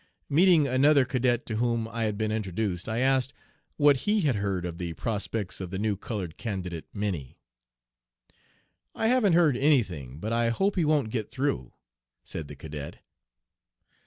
Meeting another cadet to whom I had been introduced I asked what he had heard of the prospects of the new colored candidate, Minnie. 'I haven't heard any thing, but I hope he won't get through,' said the cadet.